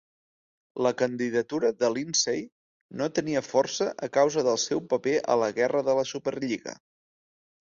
La candidatura de Lindsay no tenia força a causa dels seu paper a la guerra de la Superlliga.